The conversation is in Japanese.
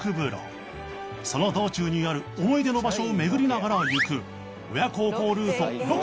その道中にある思い出の場所を巡りながら行く親孝行ルート ６．４ キロ